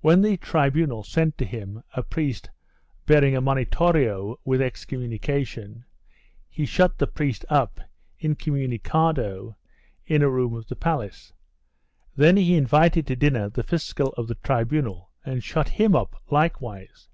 When the tribunal sent to him a priest bearing a monitorio with excommunication, he shut the priest up, incomunicado, in a room of the palace. Then he invited to dinner the fiscal of the tribunal and shut him up likewise.